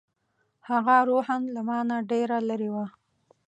هغه روحاً له ما نه ډېره لرې وه.